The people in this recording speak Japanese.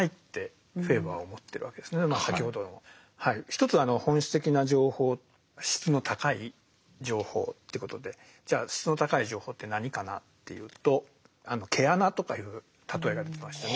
一つは本質的な情報質の高い情報ってことでじゃあ質の高い情報って何かなっていうとあの「毛穴」とかいう例えが出てきましたね。